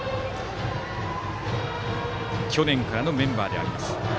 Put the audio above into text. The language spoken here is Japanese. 去年からのメンバーです。